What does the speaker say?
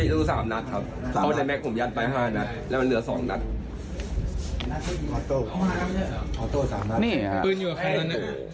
อันนี้เราสามนัดครับเข้าได้แมนงด์ผมยันตาลห้านัดแล้วก็เหลือสองนัด